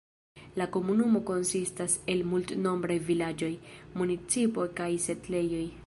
La komunumo konsistas el multnombraj vilaĝoj, municipoj kaj setlejoj.